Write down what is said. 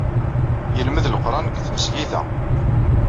Yelmed Leqran deg tmesgida.